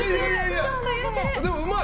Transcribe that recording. でもうまい。